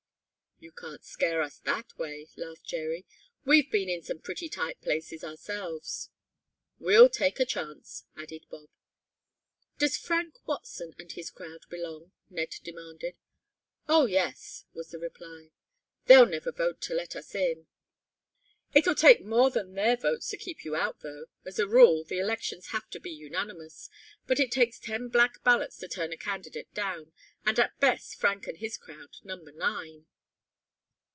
"You can't scare us that way," laughed Jerry. "We've been in some pretty tight places ourselves." "We'll take a chance," added Bob. "Does Frank Watson and his crowd belong?" Ned demanded. "Oh, yes," was the reply. "They'll never vote to let us in." "It'll take more than their votes to keep you out, though, as a rule, the elections have been unanimous. But it takes ten black ballots to turn a candidate down, and at best Frank and his crowd number nine."